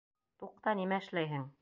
Туҡта, нимә эшләйһең?